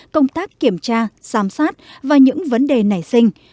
công tác kiểm tra giám sát và những vấn đề nảy sinh